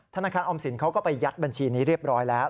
ธนาคารออมสินเขาก็ไปยัดบัญชีนี้เรียบร้อยแล้ว